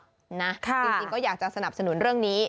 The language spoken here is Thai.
จริงก็อยากจะสนับสนุนเรื่องนี้